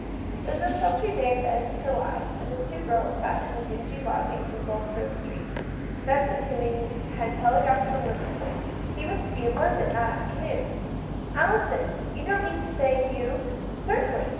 It was a sultry day at the end of July, and the two girls sat in the dingy lodgings in Bul strode Street. Vincent Hemming had tele graphed from Liverpool ; he was to be in London that afternoon. " Alison ! you don't mean to say you "" Certainly.